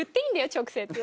直接。